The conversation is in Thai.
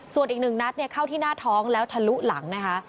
ส่วนอีกหนึ่งนัดเข้าที่หน้าท้องแล้วทะลุหลังนะคะ